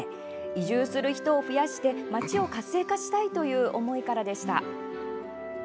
移住する人を増やして町を活性化したいという思いからでした。